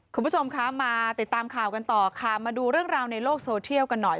คุณผู้ชมคะมาติดตามข่าวกันต่อค่ะมาดูเรื่องราวในโลกโซเทียลกันหน่อย